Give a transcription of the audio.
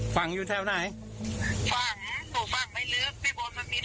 โปรดติดตามตอนต่อไป